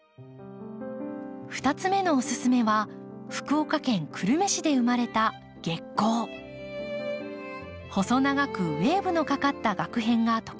２つ目のお勧めは福岡県久留米市で生まれた細長くウエーブのかかったガク片が特徴です。